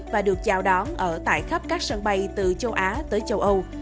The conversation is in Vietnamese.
và được chào đón ở tại khắp các sân bay từ châu á tới châu âu